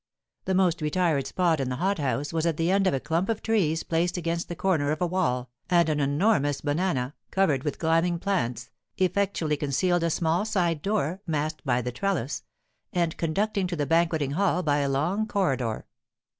The most retired spot in the hothouse was at the end of a clump of trees placed against the corner of a wall, and an enormous banana, covered with climbing plants, effectually concealed a small side door, masked by the trellis, and conducting to the banquetting hall by a long corridor.